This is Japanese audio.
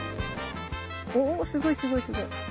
おすごいすごいすごい！